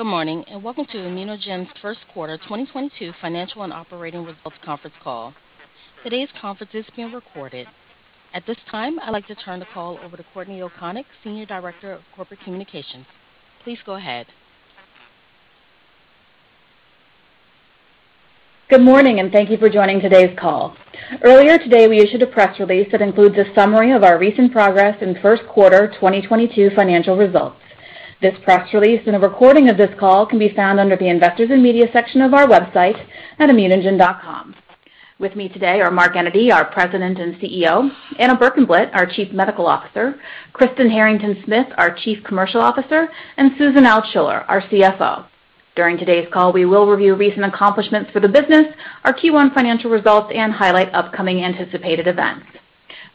Good morning, and welcome to ImmunoGen's first quarter 2022 financial and operating results conference call. Today's conference is being recorded. At this time, I'd like to turn the call over to Courtney O'Konek, Senior Director of Corporate Communications. Please go ahead. Good morning, and thank you for joining today's call. Earlier today, we issued a press release that includes a summary of our recent progress in first quarter 2022 financial results. This press release and a recording of this call can be found under the Investors and Media section of our website at immunogen.com. With me today are Mark Enyedy, our President and CEO, Anna Berkenblit, our Chief Medical Officer, Kristen Harrington-Smith, our Chief Commercial Officer, and Susan Altschuller, our CFO. During today's call, we will review recent accomplishments for the business, our Q1 financial results, and highlight upcoming anticipated events.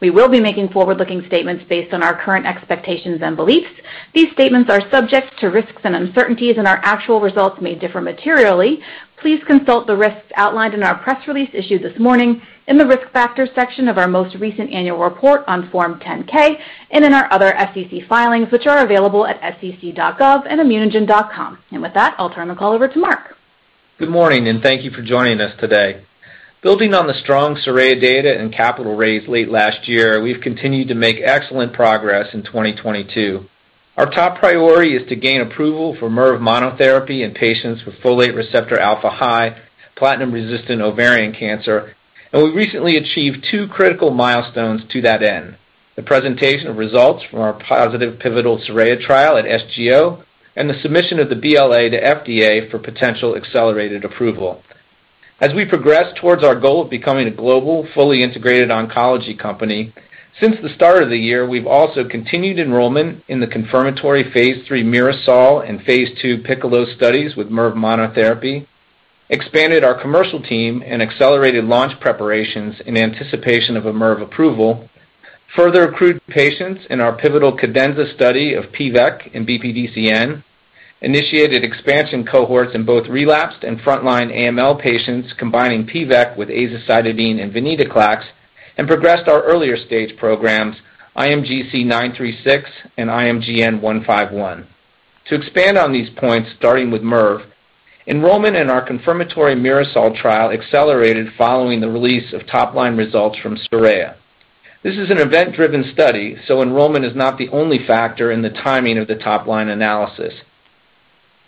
We will be making forward-looking statements based on our current expectations and beliefs. These statements are subject to risks and uncertainties, and our actual results may differ materially. Please consult the risks outlined in our press release issued this morning in the Risk Factors section of our most recent annual report on Form 10-K and in our other SEC filings, which are available at sec.gov and immunogen.com. With that, I'll turn the call over to Mark. Good morning, and thank you for joining us today. Building on the strong SORAYA data and capital raise late last year, we've continued to make excellent progress in 2022. Our top priority is to gain approval for mirvetuximab monotherapy in patients with folate receptor alpha high platinum-resistant ovarian cancer, and we recently achieved two critical milestones to that end, the presentation of results from our positive pivotal SORAYA trial at SGO and the submission of the BLA to FDA for potential accelerated approval. As we progress towards our goal of becoming a global, fully integrated oncology company, since the start of the year, we've also continued enrollment in the confirmatory Phase III MIRASOL and Phase II PICCOLO studies with mirvet monotherapy, expanded our commercial team and accelerated launch preparations in anticipation of a mirvet approval, further accrued patients in our pivotal CADENZA study of pivek and BPDCN, initiated expansion cohorts in both relapsed and frontline AML patients combining pivek with azacitidine and venetoclax, and progressed our earlier-stage programs IMGC936 and IMGN151. To expand on these points, starting with mirvet, enrollment in our confirmatory MIRASOL trial accelerated following the release of top-line results from SORAYA. This is an event-driven study, so enrollment is not the only factor in the timing of the top-line analysis.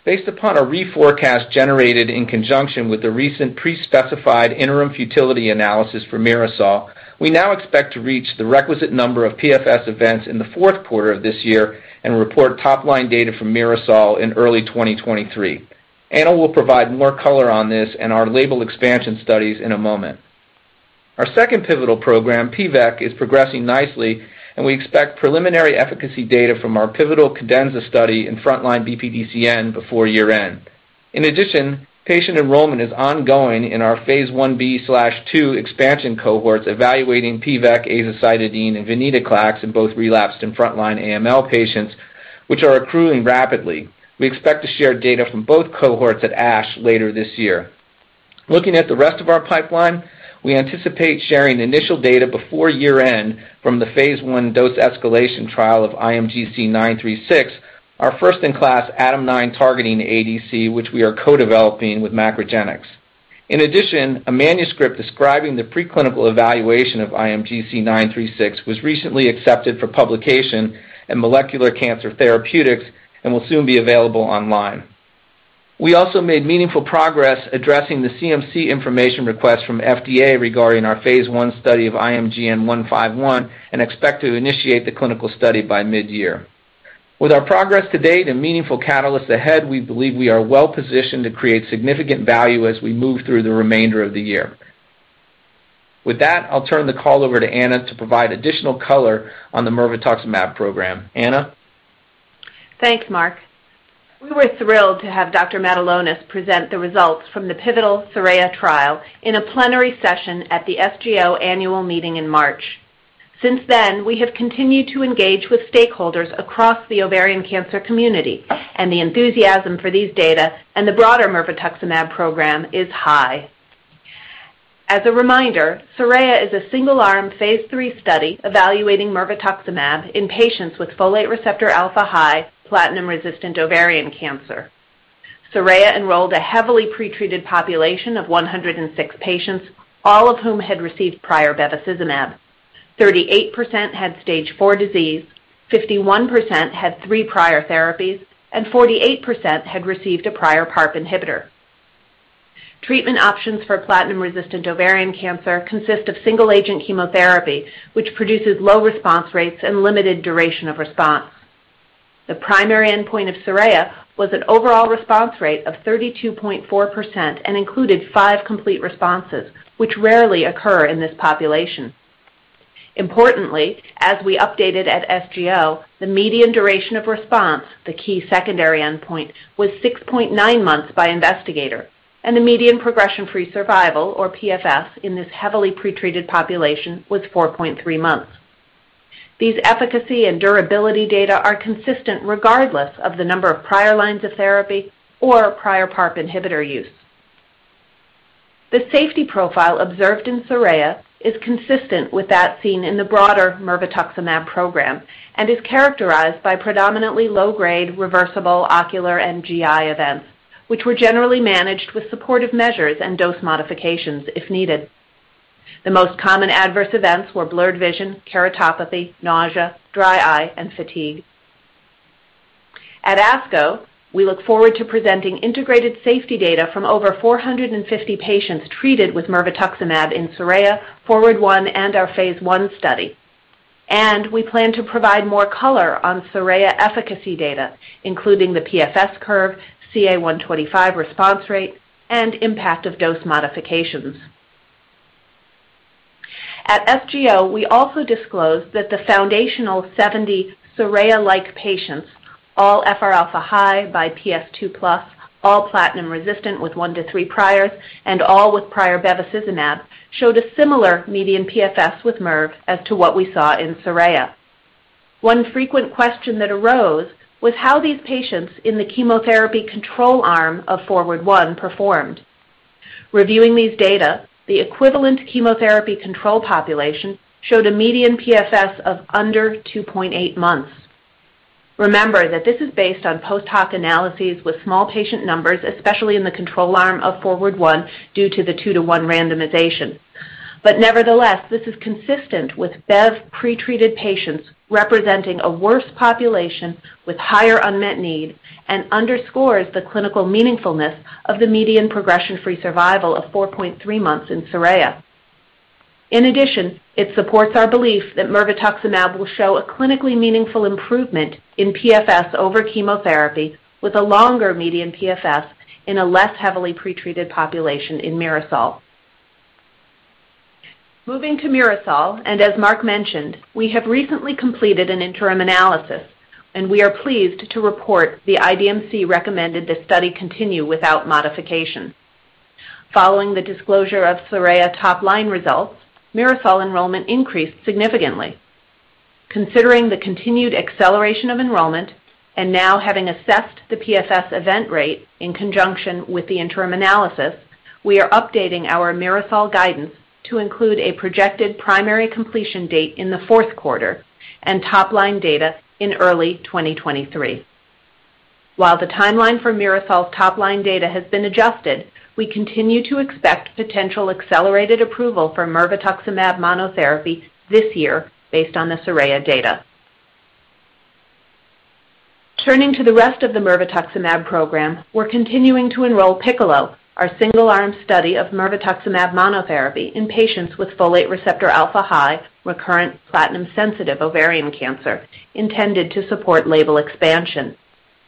Based upon a reforecast generated in conjunction with the recent pre-specified interim futility analysis for MIRASOL, we now expect to reach the requisite number of PFS events in the fourth quarter of this year and report top-line data from MIRASOL in early 2023. Anna will provide more color on this and our label expansion studies in a moment. Our second pivotal program, pivekimab, is progressing nicely, and we expect preliminary efficacy data from our pivotal CADENZA study in frontline BPDCN before year-end. In addition, patient enrollment is ongoing in our Phase 1B/2 expansion cohorts evaluating pivekimab, azacitidine, and venetoclax in both relapsed and frontline AML patients, which are accruing rapidly. We expect to share data from both cohorts at ASH later this year. Looking at the rest of our pipeline, we anticipate sharing initial data before year-end from the phase I dose-escalation trial of IMGC936, our first-in-class ADAM9 targeting ADC, which we are co-developing with MacroGenics. In addition, a manuscript describing the preclinical evaluation of IMGC936 was recently accepted for publication in Molecular Cancer Therapeutics and will soon be available online. We also made meaningful progress addressing the CMC information request from FDA regarding our Phase I study of IMGN151 and expect to initiate the clinical study by mid-year. With our progress to date and meaningful catalysts ahead, we believe we are well positioned to create significant value as we move through the remainder of the year. With that, I'll turn the call over to Anna to provide additional color on the mirvetuximab program. Anna? Thanks, Mark. We were thrilled to have Dr. Matulonis present the results from the pivotal SORAYA trial in a plenary session at the SGO annual meeting in March. Since then, we have continued to engage with stakeholders across the ovarian cancer community, and the enthusiasm for these data and the broader mirvetuximab program is high. As a reminder, SORAYA is a single-arm phase III study evaluating mirvetuximab in patients with folate receptor alpha-high platinum-resistant ovarian cancer. SORAYA enrolled a heavily pretreated population of 106 patients, all of whom had received prior bevacizumab. 38% had Stage 4 disease, 51% had three prior therapies, and 48% had received a prior PARP inhibitor. Treatment options for platinum-resistant ovarian cancer consist of single-agent chemotherapy, which produces low response rates and limited duration of response. The primary endpoint of SORAYA was an overall response rate of 32.4% and included five complete responses, which rarely occur in this population. Importantly, as we updated at SGO, the median duration of response, the key secondary endpoint, was 6.9 months by investigator, and the median progression-free survival or PFS in this heavily pretreated population was 4.3 months. These efficacy and durability data are consistent regardless of the number of prior lines of therapy or prior PARP inhibitor use. The safety profile observed in SORAYA is consistent with that seen in the broader mirvetuximab program and is characterized by predominantly low-grade reversible ocular and GI events, which were generally managed with supportive measures and dose modifications if needed. The most common adverse events were blurred vision, keratopathy, nausea, dry eye, and fatigue. At ASCO, we look forward to presenting integrated safety data from over 450 patients treated with mirvetuximab in SORAYA, FORWARD I, and our phase I study. We plan to provide more color on SORAYA efficacy data, including the PFS curve, CA-125 response rate, and impact of dose modifications. At SGO, we also disclosed that the foundational 70 SORAYA-like patients, all FRα high by PS2+, all platinum resistant with one to three priors, and all with prior bevacizumab, showed a similar median PFS with mirv as to what we saw in SORAYA. One frequent question that arose was how these patients in the chemotherapy control arm of FORWARD I performed. Reviewing these data, the equivalent chemotherapy control population showed a median PFS of under 2.8 months. Remember that this is based on post-hoc analyses with small patient numbers, especially in the control arm of FORWARD I due to the 2-to-1 randomization. Nevertheless, this is consistent with bev pre-treated patients representing a worse population with higher unmet need and underscores the clinical meaningfulness of the median progression-free survival of 4.3 months in SORAYA. In addition, it supports our belief that mirvetuximab will show a clinically meaningful improvement in PFS over chemotherapy with a longer median PFS in a less heavily pre-treated population in MIRASOL. Moving to MIRASOL, and as Mark mentioned, we have recently completed an interim analysis, and we are pleased to report the IDMC recommended the study continue without modification. Following the disclosure of SORAYA top-line results, MIRASOL enrollment increased significantly. Considering the continued acceleration of enrollment and now having assessed the PFS event rate in conjunction with the interim analysis, we are updating our MIRASOL guidance to include a projected primary completion date in the fourth quarter and top-line data in early 2023. While the timeline for MIRASOL's top-line data has been adjusted, we continue to expect potential accelerated approval for mirvetuximab monotherapy this year based on the SORAYA data. Turning to the rest of the mirvetuximab program, we're continuing to enroll PICCOLO, our single-arm study of mirvetuximab monotherapy in patients with folate receptor alpha high recurrent platinum-sensitive ovarian cancer intended to support label expansion.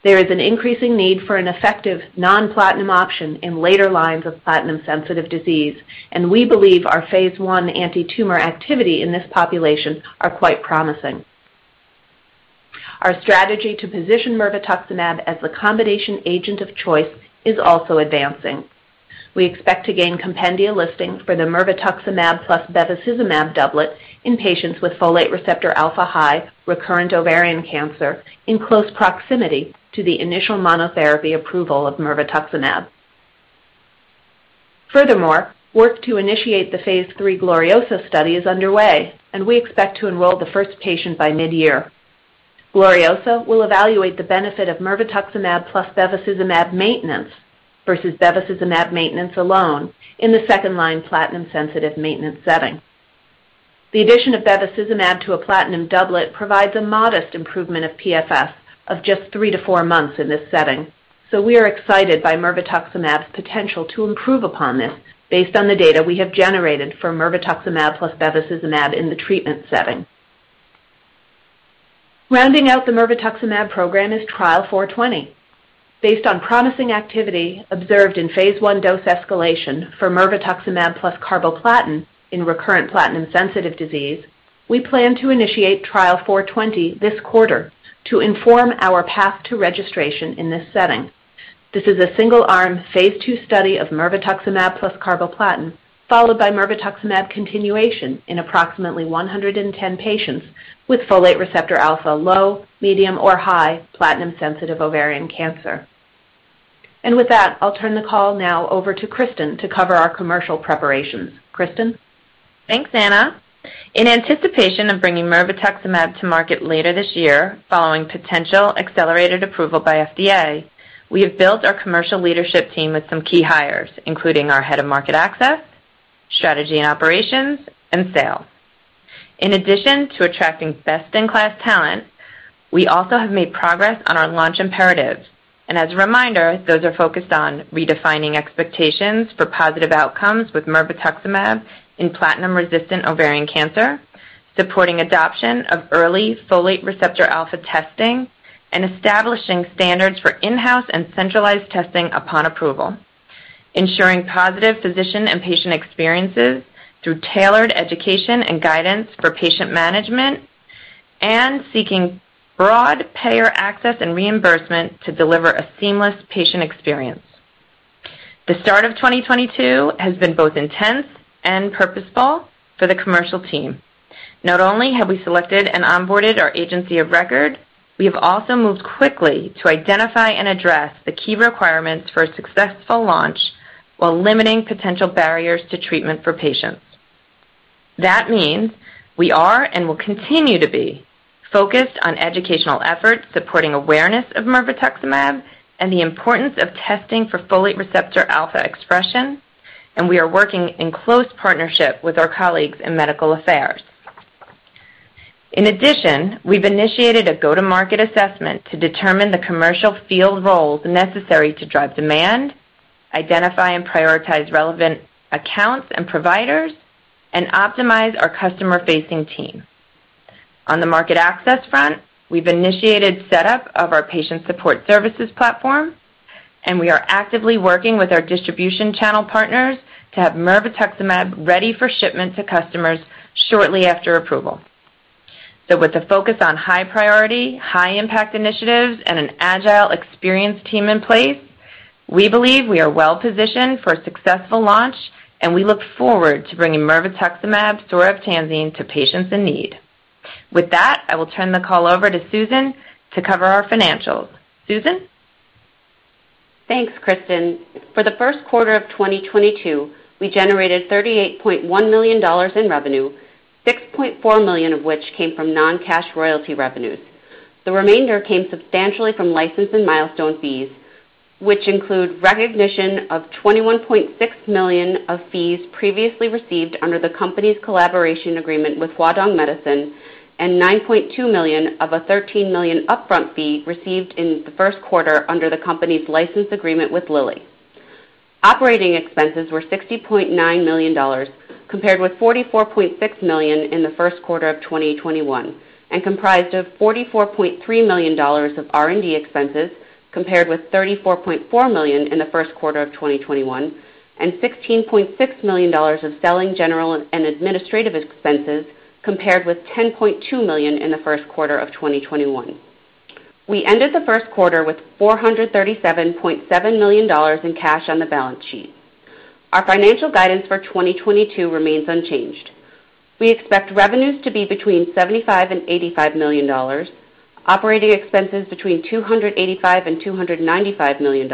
There is an increasing need for an effective non-platinum option in later lines of platinum-sensitive disease, and we believe our phase I antitumor activity in this population are quite promising. Our strategy to position mirvetuximab as the combination agent of choice is also advancing. We expect to gain compendia listing for the mirvetuximab plus bevacizumab doublet in patients with folate receptor alpha high recurrent ovarian cancer in close proximity to the initial monotherapy approval of mirvetuximab. Furthermore, work to initiate the Phase III GLORIOSA study is underway, and we expect to enroll the first patient by mid-year. GLORIOSA will evaluate the benefit of mirvetuximab plus bevacizumab maintenance versus bevacizumab maintenance alone in the second-line platinum-sensitive maintenance setting. The addition of bevacizumab to a platinum doublet provides a modest improvement of PFS of just three to four months in this setting, so we are excited by mirvetuximab's potential to improve upon this based on the data we have generated for mirvetuximab plus bevacizumab in the treatment setting. Rounding out the mirvetuximab program is Trial 0420. Based on promising activity observed in phase I dose escalation for mirvetuximab plus carboplatin in recurrent platinum-sensitive disease, we plan to initiate Trial 0420 this quarter to inform our path to registration in this setting. This is a single-arm Phase II study of mirvetuximab plus carboplatin followed by mirvetuximab continuation in approximately 110 patients with folate receptor alpha low, medium, or high platinum-sensitive ovarian cancer. With that, I'll turn the call now over to Kristen to cover our commercial preparations. Kristen? Thanks, Anna. In anticipation of bringing mirvetuximab to market later this year following potential accelerated approval by FDA, we have built our commercial leadership team with some key hires, including our head of market access, strategy and operations, and sales. In addition to attracting best-in-class talent, we also have made progress on our launch imperatives. As a reminder, those are focused on redefining expectations for positive outcomes with mirvetuximab in platinum-resistant ovarian cancer, supporting adoption of early folate receptor alpha testing, and establishing standards for in-house and centralized testing upon approval, ensuring positive physician and patient experiences through tailored education and guidance for patient management, and seeking broad payer access and reimbursement to deliver a seamless patient experience. The start of 2022 has been both intense and purposeful for the commercial team. Not only have we selected and onboarded our agency of record, we have also moved quickly to identify and address the key requirements for a successful launch while limiting potential barriers to treatment for patients. That means we are, and will continue to be, focused on educational efforts supporting awareness of mirvetuximab and the importance of testing for folate receptor alpha expression, and we are working in close partnership with our colleagues in medical affairs. In addition, we've initiated a go-to-market assessment to determine the commercial field roles necessary to drive demand, identify and prioritize relevant accounts and providers, and optimize our customer-facing team. On the market access front, we've initiated setup of our patient support services platform, and we are actively working with our distribution channel partners to have mirvetuximab ready for shipment to customers shortly after approval. With the focus on high priority, high impact initiatives and an agile, experienced team in place, we believe we are well-positioned for a successful launch, and we look forward to bringing mirvetuximab soravtansine to patients in need. With that, I will turn the call over to Susan to cover our financials. Susan? Thanks, Kristen. For the first quarter of 2022, we generated $38.1 million in revenue, $6.4 million of which came from non-cash royalty revenues. The remainder came substantially from license and milestone fees, which include recognition of $21.6 million of fees previously received under the company's collaboration agreement with Huadong Medicine and $9.2 million of a $13 million upfront fee received in the first quarter under the company's license agreement with Lilly. Operating expenses were $60.9 million, compared with $44.6 million in the first quarter of 2021, and comprised of $44.3 million of R&D expenses, compared with $34.4 million in the first quarter of 2021, and $16.6 million of selling, general, and administrative expenses compared with $10.2 million in the first quarter of 2021. We ended the first quarter with $437.7 million in cash on the balance sheet. Our financial guidance for 2022 remains unchanged. We expect revenues to be between $75 million-$85 million, operating expenses between $285 million-$295 million,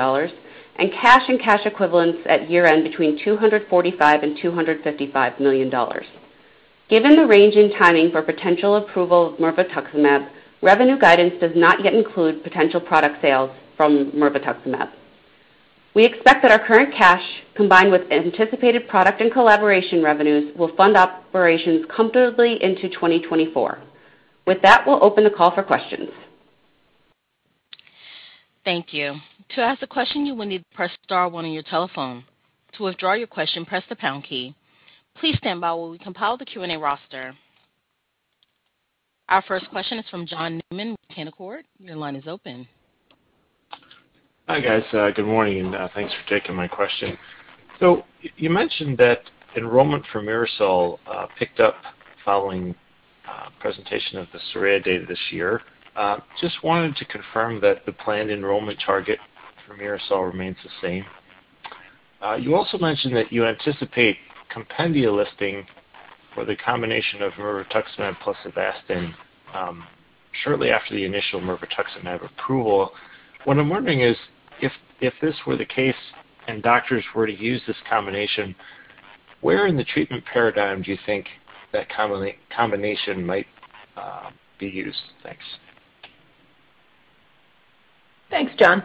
and cash and cash equivalents at year-end between $245 million-$255 million. Given the range and timing for potential approval of mirvetuximab, revenue guidance does not yet include potential product sales from mirvetuximab. We expect that our current cash, combined with anticipated product and collaboration revenues, will fund operations comfortably into 2024. With that, we'll open the call for questions. Thank you. To ask a question, you will need to press star one on your telephone. To withdraw your question, press the pound key. Please stand by while we compile the Q&A roster. Our first question is from John Newman with Canaccord Genuity. Your line is open. Hi, guys. Good morning, and thanks for taking my question. You mentioned that enrollment for MIRASOL picked up following presentation of the SORAYA data this year. Just wanted to confirm that the planned enrollment target for MIRASOL remains the same. You also mentioned that you anticipate compendia listing for the combination of mirvetuximab plus Avastin shortly after the initial mirvetuximab approval. What I'm wondering is, if this were the case and doctors were to use this combination, where in the treatment paradigm do you think that combination might be used? Thanks. Thanks, John.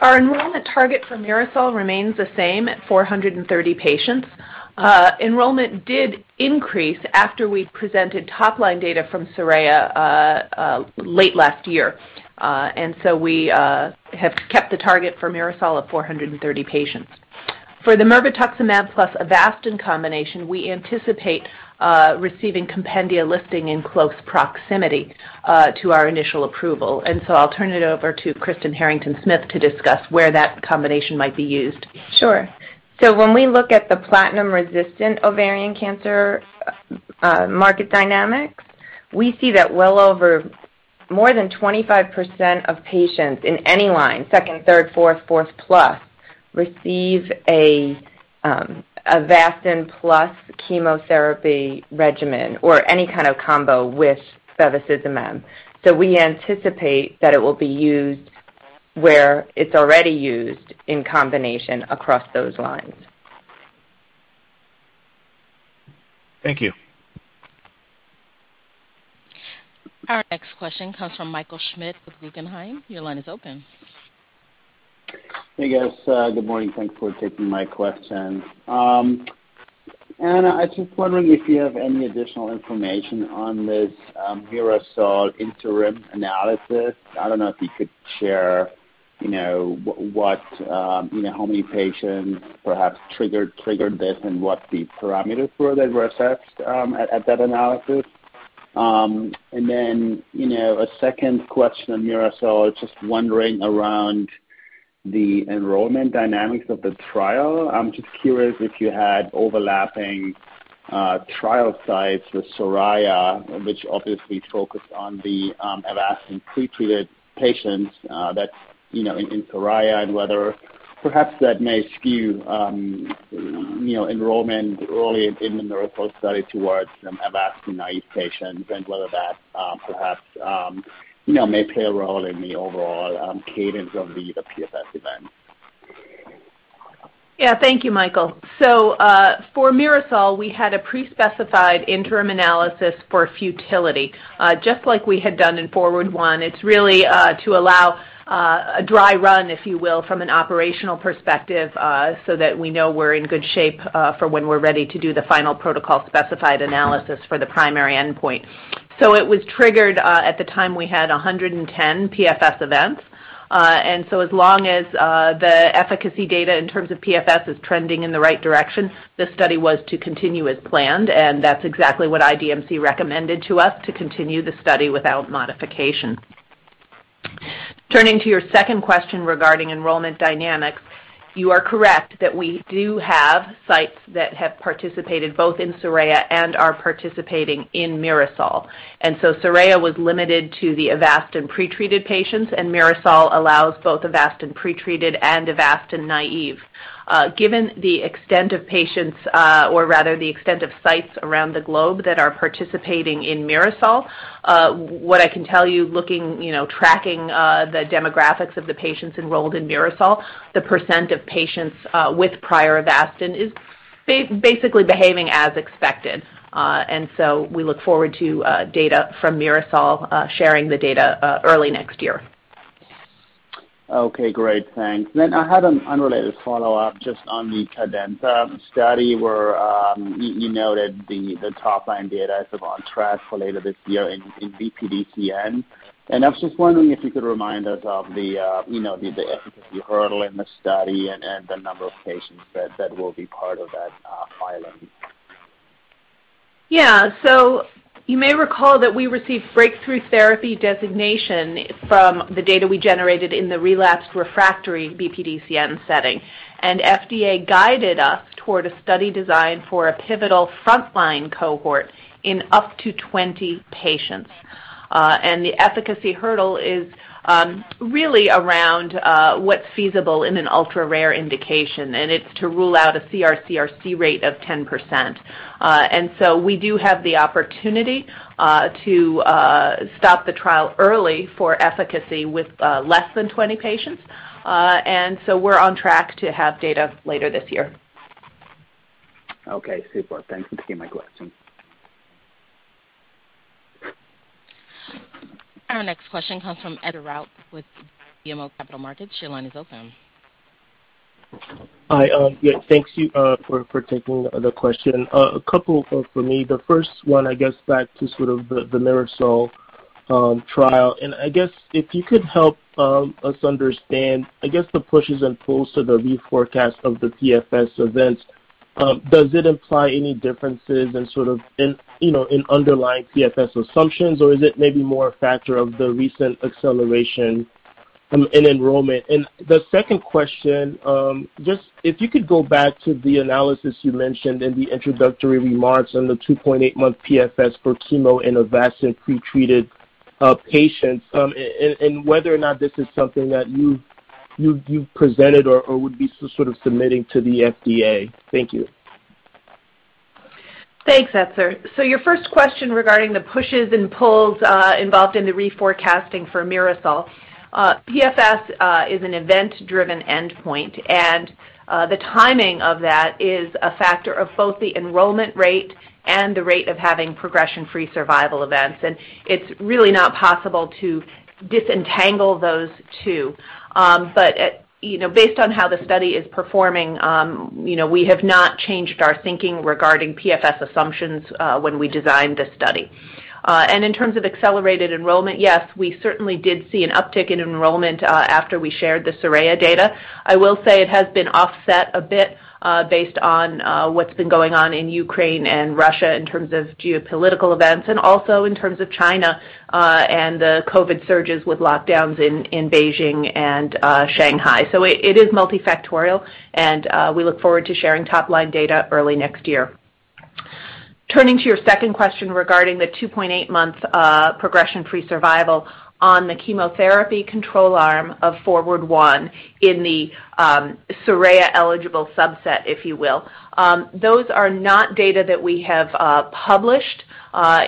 Our enrollment target for MIRASOL remains the same at 430 patients. Enrollment did increase after we presented top-line data from SORAYA late last year. We have kept the target for MIRASOL at 430 patients. For the mirvetuximab plus Avastin combination, we anticipate receiving compendia listing in close proximity to our initial approval. I'll turn it over to Kristen Harrington-Smith to discuss where that combination might be used. Sure. When we look at the platinum-resistant ovarian cancer market dynamics, we see that well over more than 25% of patients in any line, second, third, fourth plus, receive a Avastin plus chemotherapy regimen or any kind of combo with bevacizumab. We anticipate that it will be used where it's already used in combination across those lines. Thank you. Our next question comes from Michael Schmidt with Guggenheim. Your line is open. Hey, guys. Good morning. Thanks for taking my question. I'm just wondering if you have any additional information on this MIRASOL interim analysis. I don't know if you could share, you know, what you know, how many patients perhaps triggered this and what the parameters were that were assessed at that analysis. You know, a second question on MIRASOL. Just wondering about the enrollment dynamics of the trial. I'm just curious if you had overlapping trial sites with SORAYA, which obviously focused on the Avastin-pretreated patients that you know in SORAYA and whether perhaps that may skew you know enrollment early in the MIRASOL study towards some Avastin-naive patients and whether that perhaps you know may play a role in the overall cadence of the PFS event. Yeah. Thank you, Michael. For MIRASOL, we had a pre-specified interim analysis for futility. Just like we had done in FORWARD I, it's really to allow a dry run, if you will, from an operational perspective, so that we know we're in good shape for when we're ready to do the final protocol specified analysis for the primary endpoint. It was triggered at the time we had 110 PFS events. As long as the efficacy data in terms of PFS is trending in the right direction, the study was to continue as planned, and that's exactly what IDMC recommended to us, to continue the study without modification. Turning to your second question regarding enrollment dynamics, you are correct that we do have sites that have participated both in SORAYA and are participating in MIRASOL. SORAYA was limited to the Avastin pretreated patients, and MIRASOL allows both Avastin pretreated and Avastin naive. Given the extent of patients, or rather the extent of sites around the globe that are participating in MIRASOL, what I can tell you looking, you know, tracking, the demographics of the patients enrolled in MIRASOL, the percent of patients with prior Avastin is basically behaving as expected. We look forward to data from MIRASOL, sharing the data, early next year. Okay, great. Thanks. I had an unrelated follow-up just on the CADENZA study where you noted the top line data is on track for later this year in BPDCN. I was just wondering if you could remind us of you know the efficacy hurdle in the study and the number of patients that will be part of that filing. You may recall that we received breakthrough therapy designation from the data we generated in the relapsed refractory BPDCN setting. FDA guided us toward a study design for a pivotal frontline cohort in up to 20 patients. The efficacy hurdle is really around what's feasible in an ultra-rare indication, and it's to rule out a CR/CRc rate of 10%. We do have the opportunity to stop the trial early for efficacy with less than 20 patients. We're on track to have data later this year. Okay, super. Thanks. That's been my question. Our next question comes from Etzer Darout with BMO Capital Markets. Your line is open. Hi. Yeah, thank you for taking the question. A couple for me. The first one, I guess back to sort of the MIRASOL trial. I guess if you could help us understand the pushes and pulls to the reforecast of the PFS events. Does it imply any differences in sort of, you know, in underlying PFS assumptions, or is it maybe more a factor of the recent acceleration in enrollment? The second question, just if you could go back to the analysis you mentioned in the introductory remarks on the 2.8-month PFS for chemo in Avastin pretreated patients, and whether or not this is something that you've presented or would be sort of submitting to the FDA. Thank you. Thanks, Ed. Your first question regarding the pushes and pulls involved in the reforecasting for MIRASOL. PFS is an event-driven endpoint, and the timing of that is a factor of both the enrollment rate and the rate of having progression-free survival events. It's really not possible to disentangle those two. You know, based on how the study is performing, you know, we have not changed our thinking regarding PFS assumptions when we designed this study. In terms of accelerated enrollment, yes, we certainly did see an uptick in enrollment after we shared the SORAYA data. I will say it has been offset a bit, based on what's been going on in Ukraine and Russia in terms of geopolitical events and also in terms of China, and the COVID surges with lockdowns in Beijing and Shanghai. It is multifactorial, and we look forward to sharing top-line data early next year. Turning to your second question regarding the 2.8-month progression-free survival on the chemotherapy control arm of FORWARD I in the SORAYA-eligible subset, if you will. Those are not data that we have published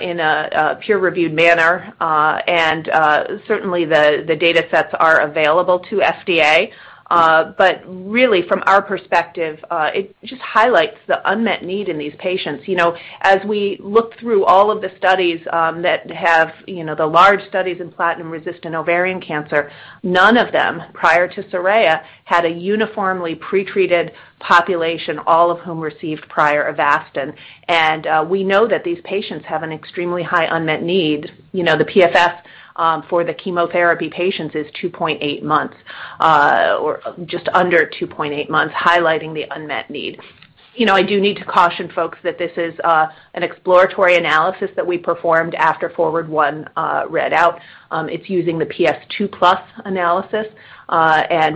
in a peer-reviewed manner. Certainly the datasets are available to FDA. Really from our perspective, it just highlights the unmet need in these patients. You know, as we look through all of the studies, that have, you know, the large studies in platinum-resistant ovarian cancer, none of them, prior to SORAYA, had a uniformly pretreated population, all of whom received prior Avastin. We know that these patients have an extremely high unmet need. You know, the PFS for the chemotherapy patients is 2.8 months, or just under 2.8 months, highlighting the unmet need. You know, I do need to caution folks that this is an exploratory analysis that we performed after FORWARD I read out. It's using the PS2+ analysis.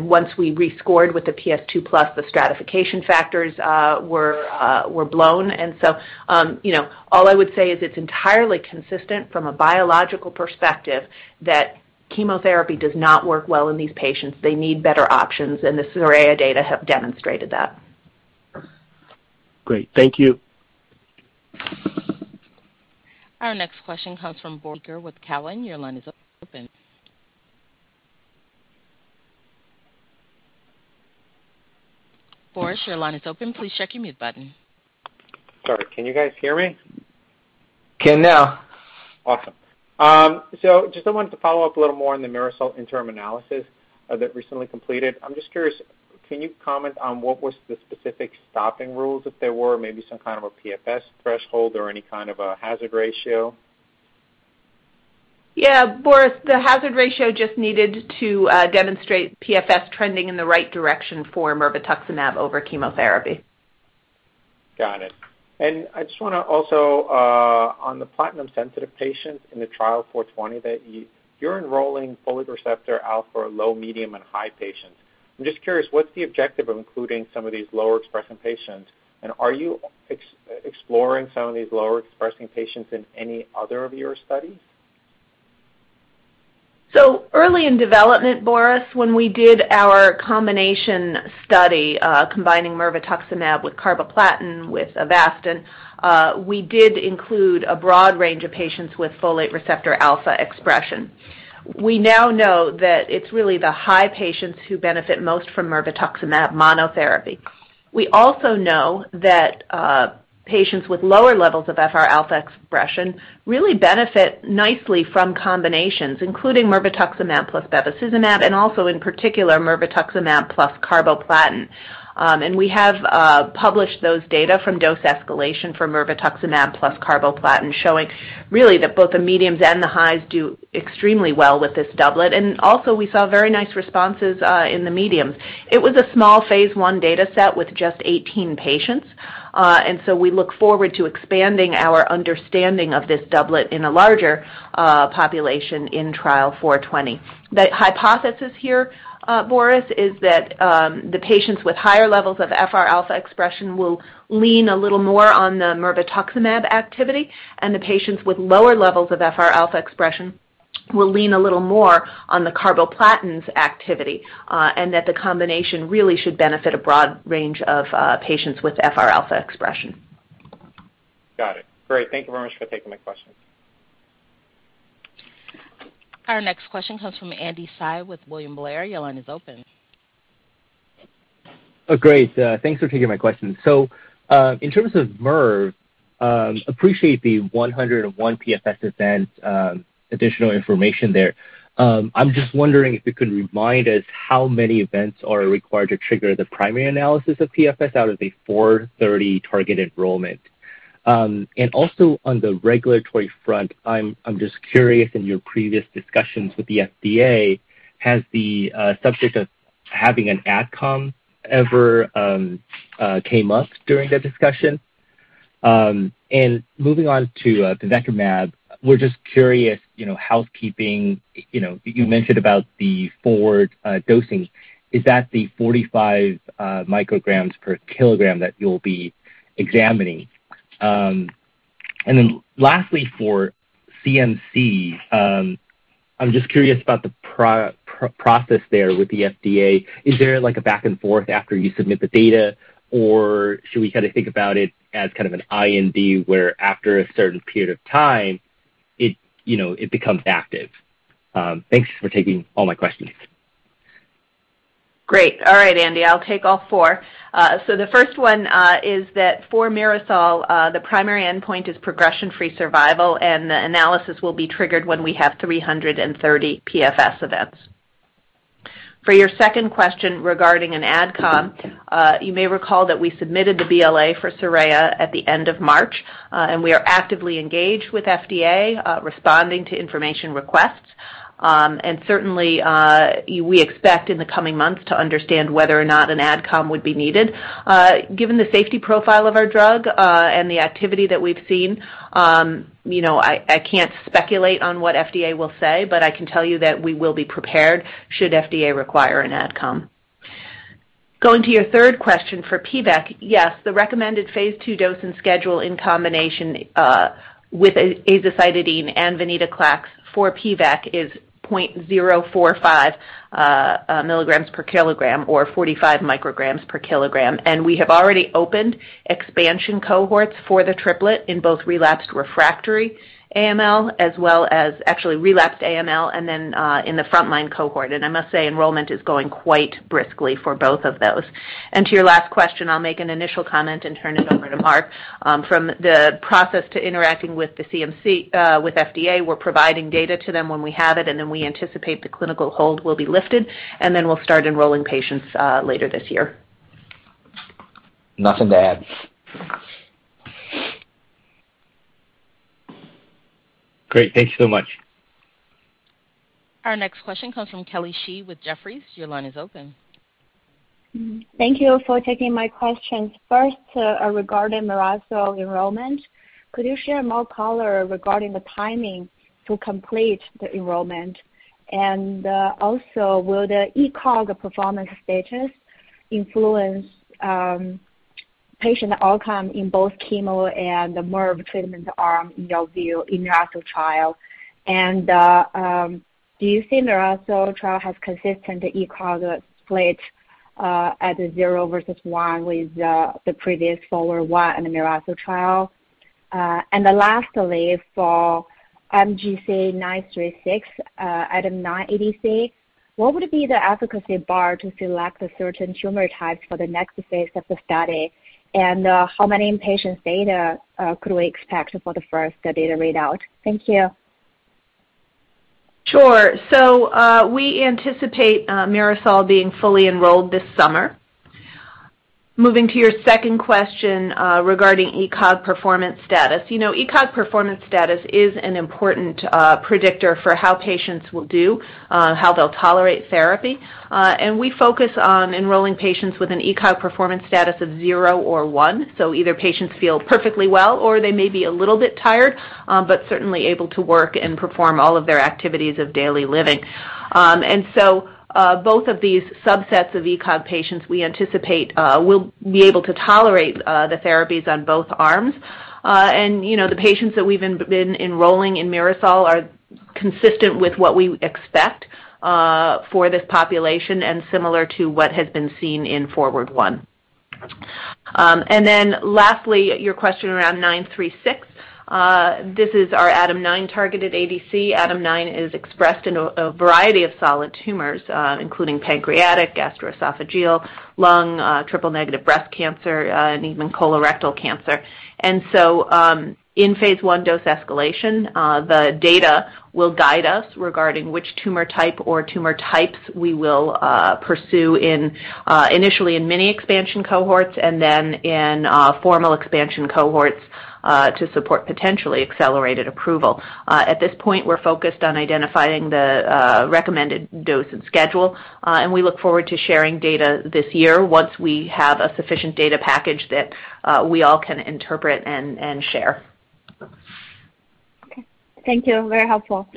Once we rescored with the PS2+, the stratification factors were blown. You know, all I would say is it's entirely consistent from a biological perspective that chemotherapy does not work well in these patients. They need better options, and the SORAYA data have demonstrated that. Great. Thank you. Our next question comes from Boris Peaker with Cowen. Your line is open. Boris, your line is open. Please check your mute button. Sorry. Can you guys hear me? Can now. Awesome. Just I wanted to follow up a little more on the MIRASOL interim analysis, that recently completed. I'm just curious, can you comment on what was the specific stopping rules, if there were maybe some kind of a PFS threshold or any kind of a hazard ratio? Yeah, Boris, the hazard ratio just needed to demonstrate PFS trending in the right direction for mirvetuximab over chemotherapy. Got it. I just wanna also on the platinum-sensitive patients in Trial 0420 that you're enrolling folate receptor alpha low, medium and high patients. I'm just curious, what's the objective of including some of these lower expressing patients, and are you exploring some of these lower expressing patients in any other of your studies? Early in development, Boris, when we did our combination study, combining mirvetuximab with carboplatin, with Avastin, we did include a broad range of patients with folate receptor alpha expression. We now know that it's really the high patients who benefit most from mirvetuximab monotherapy. We also know that patients with lower levels of FRα expression really benefit nicely from combinations including mirvetuximab plus bevacizumab and also in particular mirvetuximab plus carboplatin. We have published those data from dose escalation for mirvetuximab plus carboplatin, showing really that both the mediums and the highs do extremely well with this doublet. Also we saw very nice responses in the mediums. It was a small Phase I data set with just 18 patients. We look forward to expanding our understanding of this doublet in a larger population in Trial 0420. The hypothesis here, Boris, is that the patients with higher levels of FRα expression will lean a little more on the mirvetuximab activity, and the patients with lower levels of FRα expression will lean a little more on the carboplatin's activity, and that the combination really should benefit a broad range of patients with FRα expression. Got it. Great. Thank you very much for taking my question. Our next question comes from Andy Hsieh with William Blair. Your line is open. Oh, great. Thanks for taking my question. In terms of mirv, appreciate the 101 PFS events, additional information there. I'm just wondering if you could remind us how many events are required to trigger the primary analysis of PFS out of a 430 target enrollment. And also on the regulatory front, I'm just curious, in your previous discussions with the FDA, has the subject of having an AdCom ever came up during that discussion? And moving on to pivekimab, we're just curious, you know, housekeeping. You know, you mentioned about the forward dosing. Is that the 45 mcg/kg that you'll be examining? And then lastly for CMC, I'm just curious about the process there with the FDA. Is there like a back and forth after you submit the data, or should we kind of think about it as kind of an IND where after a certain period of time it, you know, it becomes active? Thanks for taking all my questions. Great. All right, Andy, I'll take all four. So the first one is that for MIRASOL, the primary endpoint is progression-free survival, and the analysis will be triggered when we have 330 PFS events. For your second question regarding an AdCom, you may recall that we submitted the BLA for SORAYA at the end of March. We are actively engaged with FDA, responding to information requests. Certainly, we expect in the coming months to understand whether or not an AdCom would be needed. Given the safety profile of our drug, and the activity that we've seen, you know, I can't speculate on what FDA will say, but I can tell you that we will be prepared should FDA require an AdCom. Going to your third question for pivekimab, yes, the recommended Phase II dose and schedule in combination with azacitidine and venetoclax for pivekimab is 0.045 mg/kg or 45 mcg/kg. We have already opened expansion cohorts for the triplet in both relapsed refractory AML as well as actually relapsed AML and then in the frontline cohort. I must say enrollment is going quite briskly for both of those. To your last question, I'll make an initial comment and turn it over to Mark. From the process to interacting with the CMC with FDA, we're providing data to them when we have it, and then we anticipate the clinical hold will be lifted, and then we'll start enrolling patients later this year. Nothing to add. Great. Thank you so much. Our next question comes from Kelly Shi with Jefferies. Your line is open. Thank you for taking my questions. First, regarding MIRASOL enrollment, could you share more color regarding the timing to complete the enrollment? And, also, will the ECOG performance status influence patient outcome in both chemo and the mirv treatment arm in your view in your actual trial? Do you see MIRASOL trial has consistent ECOG split at the zero versus one with the previous FORWARD I and the MIRASOL trial? The last is for IMGC936, ADAM9 ADC. What would be the efficacy bar to select the certain tumor types for the next phase of the study? How many patients' data could we expect for the first data readout? Thank you. Sure. We anticipate MIRASOL being fully enrolled this summer. Moving to your second question, regarding ECOG performance status. You know ECOG performance status is an important predictor for how patients will do, how they'll tolerate therapy. We focus on enrolling patients with an ECOG performance status of zero or one. Either patients feel perfectly well, or they may be a little bit tired, but certainly able to work and perform all of their activities of daily living. Both of these subsets of ECOG patients we anticipate will be able to tolerate the therapies on both arms. You know, the patients that we've been enrolling in MIRASOL are consistent with what we expect for this population and similar to what has been seen in FORWARD I. Lastly, your question around nine-three-six. This is our ADAM9-targeted ADC. ADAM9 is expressed in a variety of solid tumors, including pancreatic, gastroesophageal, lung, triple-negative breast cancer, and even colorectal cancer. In phase 1 dose escalation, the data will guide us regarding which tumor type or tumor types we will pursue in initially in mini expansion cohorts and then in formal expansion cohorts to support potentially accelerated approval. At this point, we're focused on identifying the recommended dose and schedule, and we look forward to sharing data this year once we have a sufficient data package that we all can interpret and share. Okay. Thank you, very helpful.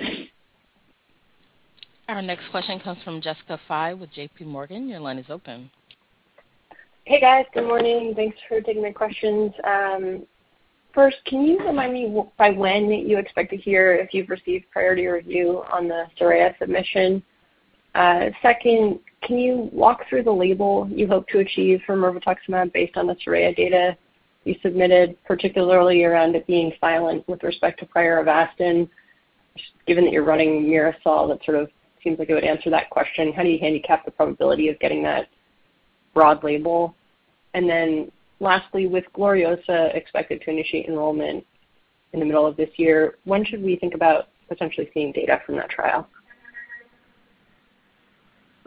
Our next question comes from Jessica Fye with JPMorgan. Your line is open. Hey, guys. Good morning. Thanks for taking my questions. First, can you remind me by when you expect to hear if you've received priority review on the SORAYA submission? Second, can you walk through the label you hope to achieve for mirvetuximab based on the SORAYA data you submitted, particularly around it being silent with respect to prior Avastin? Given that you're running MIRASOL, that sort of seems like it would answer that question. How do you handicap the probability of getting that broad label? Lastly, with GLORIOSA expected to initiate enrollment in the middle of this year, when should we think about potentially seeing data from that trial?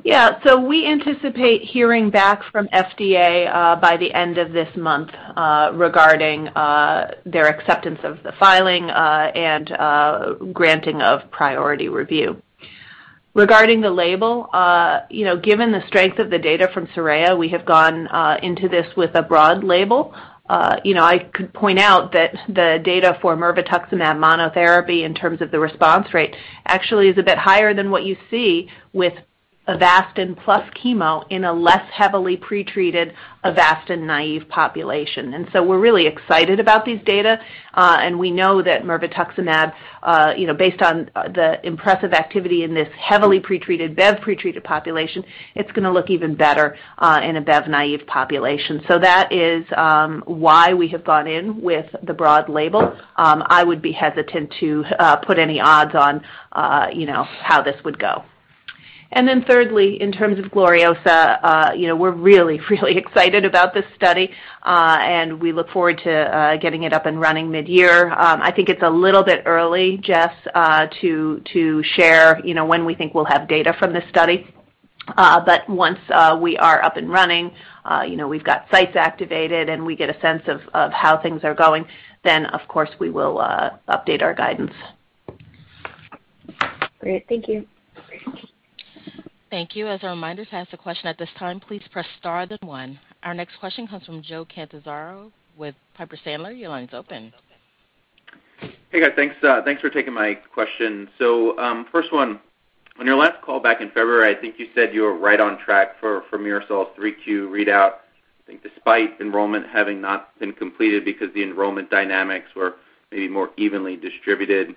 Yeah. We anticipate hearing back from FDA by the end of this month regarding their acceptance of the filing and granting of priority review. Regarding the label, you know, given the strength of the data from SORAYA, we have gone into this with a broad label. You know, I could point out that the data for mirvetuximab monotherapy in terms of the response rate actually is a bit higher than what you see with Avastin plus chemo in a less heavily pretreated Avastin naive population. We're really excited about these data, and we know that mirvetuximab, you know, based on the impressive activity in this heavily pretreated, Bev-pretreated population, it's gonna look even better in a Bev naive population. That is why we have gone in with the broad label. I would be hesitant to put any odds on you know, how this would go. Thirdly, in terms of GLORIOSA, you know, we're really, really excited about this study, and we look forward to getting it up and running mid-year. I think it's a little bit early, Jess, to share, you know, when we think we'll have data from this study. Once we are up and running, you know, we've got sites activated and we get a sense of how things are going, then of course we will update our guidance. Great. Thank you. Thank you. As a reminder, to ask a question at this time, please press star then one. Our next question comes from Joe Catanzaro with Piper Sandler. Your line is open. Hey, guys. Thanks for taking my questions. First one, on your last call back in February, I think you said you were right on track for MIRASOL's 3Q readout, I think despite enrollment having not been completed because the enrollment dynamics were maybe more evenly distributed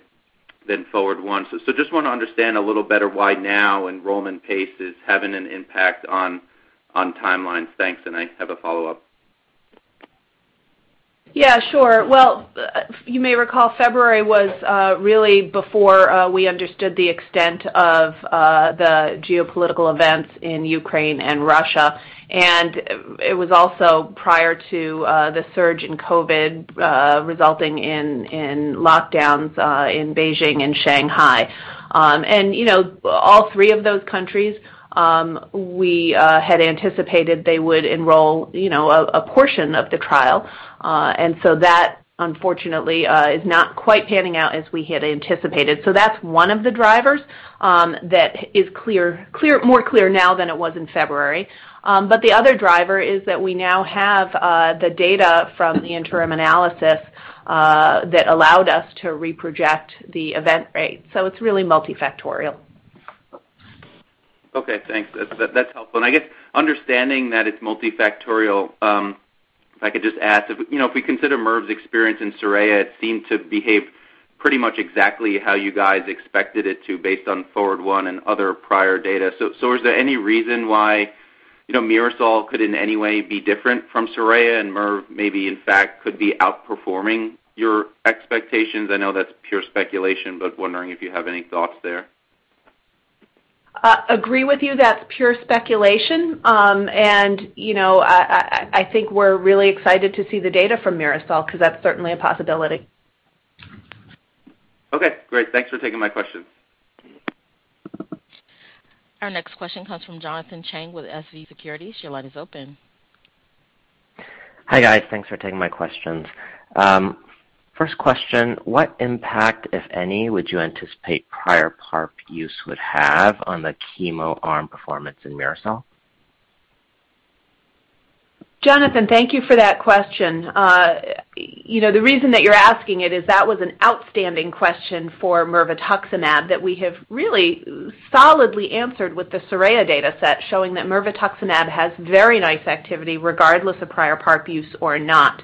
than FORWARD I. Just wanna understand a little better why now enrollment pace is having an impact on timelines. Thanks, and I have a follow-up. Yeah, sure. Well, you may recall February was really before we understood the extent of the geopolitical events in Ukraine and Russia. It was also prior to the surge in COVID resulting in lockdowns in Beijing and Shanghai. You know, all three of those countries we had anticipated they would enroll, you know, a portion of the trial. That, unfortunately, is not quite panning out as we had anticipated. That's one of the drivers that is clearer now than it was in February. The other driver is that we now have the data from the interim analysis that allowed us to re-project the event rate. It's really multifactorial. Okay, thanks. That's helpful. I guess understanding that it's multifactorial, if I could just ask if, you know, if we consider mirvetuximab's experience in SORAYA, it seemed to behave pretty much exactly how you guys expected it to based on FORWARD I and other prior data. Is there any reason why, you know, MIRASOL could in any way be different from SORAYA and mirvetuximab maybe in fact could be outperforming your expectations? I know that's pure speculation, but wondering if you have any thoughts there. Agree with you, that's pure speculation. You know, I think we're really excited to see the data from MIRASOL because that's certainly a possibility. Okay, great. Thanks for taking my questions. Our next question comes from Jonathan Chang with SVB Securities. Your line is open. Hi, guys. Thanks for taking my questions. First question, what impact, if any, would you anticipate prior PARP use would have on the chemo arm performance in MIRASOL? Jonathan, thank you for that question. You know, the reason that you're asking it is that was an outstanding question for mirvetuximab that we have really solidly answered with the SORAYA data set showing that mirvetuximab has very nice activity regardless of prior PARP use or not.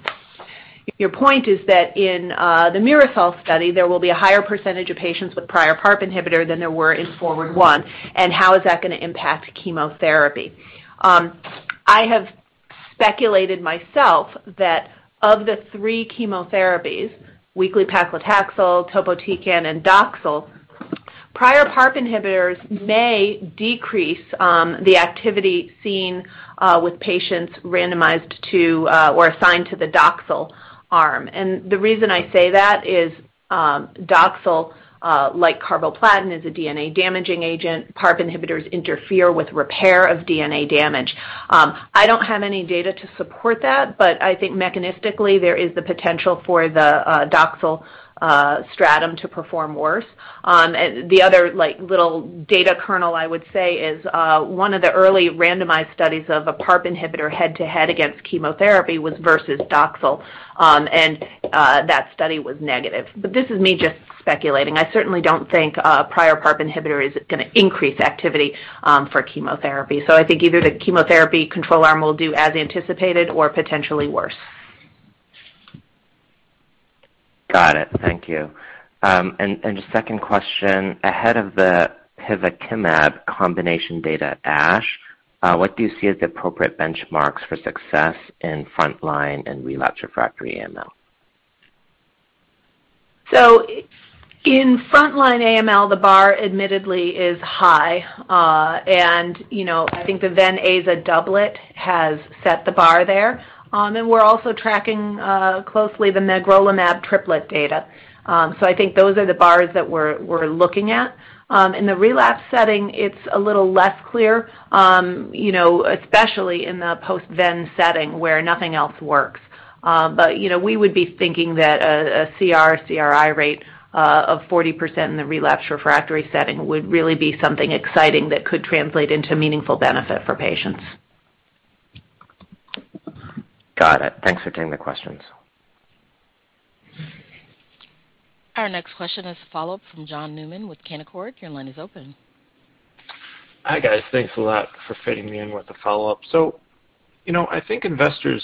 Your point is that in the MIRASOL study, there will be a higher percentage of patients with prior PARP inhibitor than there were in FORWARD I, and how is that gonna impact chemotherapy? I have speculated myself that of the three chemotherapies, weekly paclitaxel, topotecan, and Doxil, prior PARP inhibitors may decrease the activity seen with patients randomized to or assigned to the Doxil arm. The reason I say that is, Doxil, like carboplatin, is a DNA-damaging agent. PARP inhibitors interfere with repair of DNA damage. I don't have any data to support that, but I think mechanistically there is the potential for the Doxil stratum to perform worse. The other, like, little data kernel I would say is one of the early randomized studies of a PARP inhibitor head-to-head against chemotherapy was versus Doxil. That study was negative. This is me just speculating. I certainly don't think a prior PARP inhibitor is gonna increase activity for chemotherapy. I think either the chemotherapy control arm will do as anticipated or potentially worse. Got it. Thank you. The second question, ahead of the pivekimab combination data at ASH, what do you see as appropriate benchmarks for success in frontline and relapse refractory AML? In frontline AML, the bar admittedly is high. You know, I think the ven-aza doublet has set the bar there. We're also tracking closely the magrolimab triplet data. I think those are the bars that we're looking at. In the relapse setting, it's a little less clear, you know, especially in the post ven setting where nothing else works. You know, we would be thinking that a CR, CRi rate of 40% in the relapse refractory setting would really be something exciting that could translate into meaningful benefit for patients. Got it. Thanks for taking the questions. Our next question is a follow-up from John Newman with Canaccord Genuity. Your line is open. Hi, guys. Thanks a lot for fitting me in with the follow-up. You know, I think investors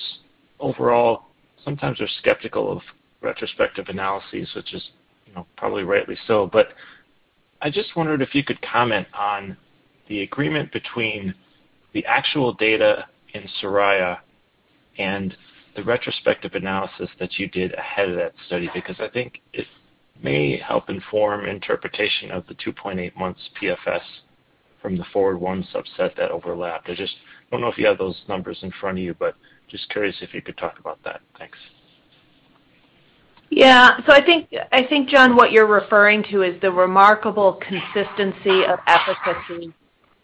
overall sometimes are skeptical of retrospective analyses, which is, you know, probably rightly so. I just wondered if you could comment on the agreement between the actual data in SORAYA and the retrospective analysis that you did ahead of that study. Because I think it may help inform interpretation of the 2.8 months PFS from the FORWARD I subset that overlapped. I just don't know if you have those numbers in front of you, but just curious if you could talk about that. Thanks. Yeah. I think, John, what you're referring to is the remarkable consistency of efficacy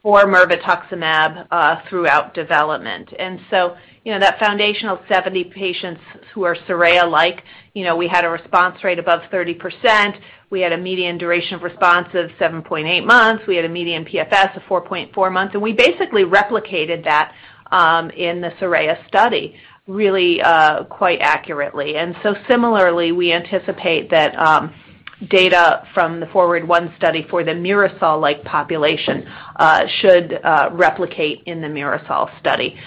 for mirvetuximab throughout development. You know, that foundational 70 patients who are SORAYA-like, you know, we had a response rate above 30%. We had a median duration of response of 7.8 months. We had a median PFS of 4.4 months. We basically replicated that in the SORAYA study really quite accurately. Similarly, we anticipate that data from the FORWARD I study for the MIRASOL-like population should replicate in the MIRASOL study.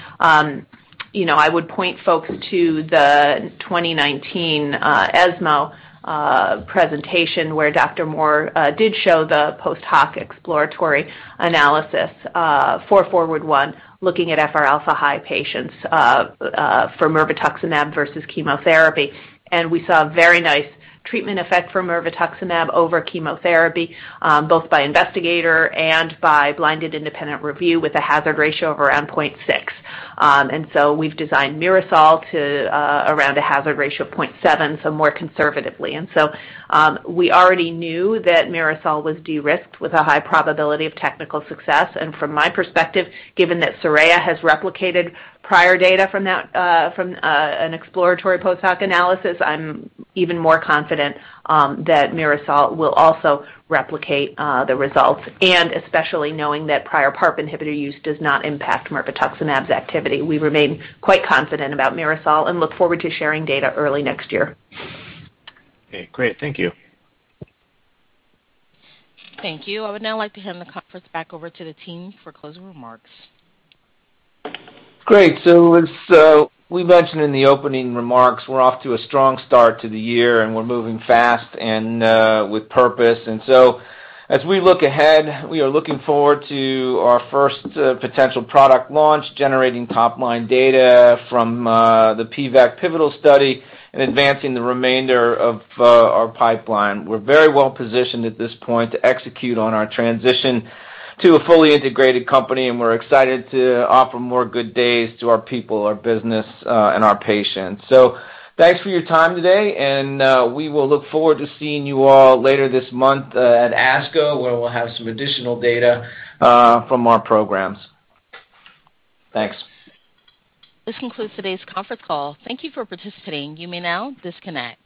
You know, I would point folks to the 2019 ESMO presentation where Dr. Moore did show the post-hoc exploratory analysis for FORWARD I looking at FRα high patients for mirvetuximab versus chemotherapy. We saw a very nice treatment effect for mirvetuximab over chemotherapy, both by investigator and by blinded independent review with a hazard ratio of around 0.6. We've designed MIRASOL to around a hazard ratio of 0.7, so more conservatively. We already knew that MIRASOL was de-risked with a high probability of technical success. From my perspective, given that SORAYA has replicated prior data from an exploratory post-hoc analysis, I'm even more confident that MIRASOL will also replicate the results, and especially knowing that prior PARP inhibitor use does not impact mirvetuximab's activity. We remain quite confident about MIRASOL and look forward to sharing data early next year. Okay, great. Thank you. Thank you. I would now like to hand the conference back over to the team for closing remarks. Great. We mentioned in the opening remarks, we're off to a strong start to the year, and we're moving fast and with purpose. As we look ahead, we are looking forward to our first potential product launch, generating top-line data from the SORAYA pivotal study and advancing the remainder of our pipeline. We're very well positioned at this point to execute on our transition to a fully integrated company, and we're excited to offer more good days to our people, our business, and our patients. Thanks for your time today, and we will look forward to seeing you all later this month at ASCO, where we'll have some additional data from our programs. Thanks. This concludes today's conference call. Thank you for participating. You may now disconnect.